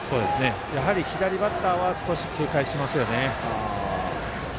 やはり左バッターは少し警戒していますよね。